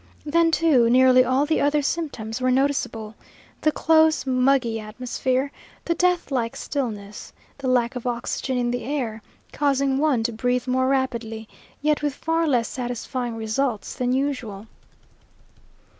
Then, too, nearly all the other symptoms were noticeable, the close, "muggy" atmosphere; the deathlike stillness; the lack of oxygen in the air, causing one to breathe more rapidly, yet with far less satisfying results than usual.